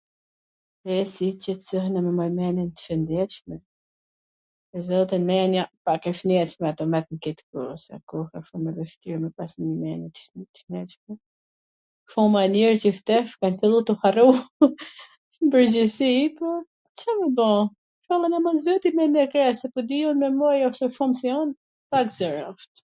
E si t qetsohena me majt mendje t shwndetshme... pwr zotin mendja pak e shnetshme mbetet nw kwt koh, a koha shum e vwshtir... jo me pas mendje t shwndetshme, po ma mir qysh tesh ka fillu tw harroj nw pwrgjithsi, po Ca me ba, ishalla na ma zoti mendt e kresw, se po di un me maj ... pak zor asht.